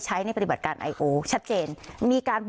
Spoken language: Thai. คุณประสิทธิ์ทราบรึเปล่าคะว่า